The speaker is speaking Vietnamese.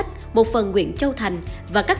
sốc răng chưa nhiều